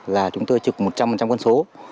là chúng tôi trực một trăm linh quân số